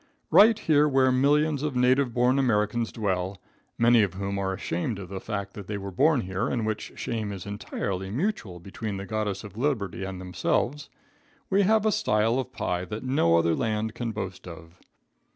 Right here where millions of native born Americans dwell, many of whom are ashamed of the fact that they were born here and which shame is entirely mutual between the Goddess of Liberty and themselves, we have a style of pie that no other land can boast of.